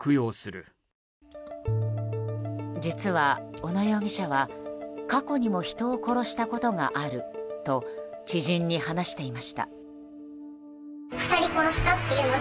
実は、小野容疑者は過去にも人を殺したことがあると知人に話していました。